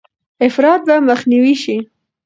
افراط به مخنیوی شي.